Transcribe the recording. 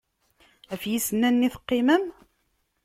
Ɣef yisennanen i teqqimem?